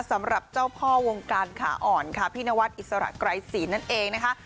สำหรับเจ้าพ่อวงการขาอ่อนค่ะพี่นวัดอิสระไกรศีลนั่นเองนะคะ